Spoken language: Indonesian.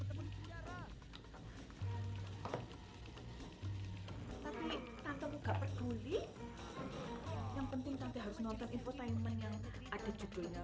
tapi tante nggak peduli yang penting tante harus nonton infotainment yang ada judulnya dna